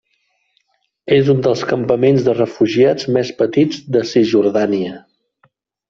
És un dels campaments de refugiats més petits de Cisjordània.